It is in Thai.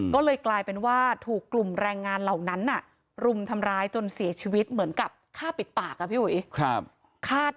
ก็เลยกลายเป็นว่าถูกกลุ่มแรงงานเหล่านั้นรุมทำร้ายจนเสียชีวิตเหมือนกับฆ่าปิดปากอะพี่อุ๋ย